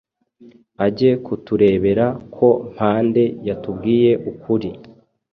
ajye kuturebera ko Mpande yatubwiye ukuri